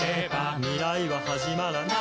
「未来ははじまらない」